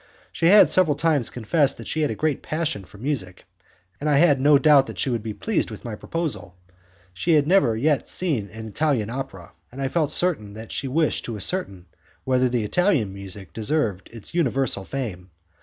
She had several times confessed that she had a great passion for music, and I had no doubt that she would be pleased with my proposal. She had never yet seen an Italian opera, and I felt certain that she wished to ascertain whether the Italian music deserved its universal fame.